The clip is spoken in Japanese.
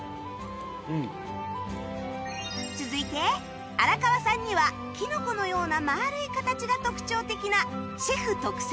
続いて荒川さんにはキノコのような丸い形が特徴的なシェフ特製オムライス